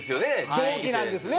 同期なんですね。